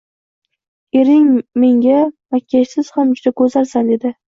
- Erim menga "Makiyajsiz ham juda go'zalsan!" - dedi!